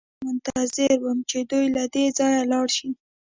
زه غلی منتظر وم چې دوی له دې ځایه لاړ شي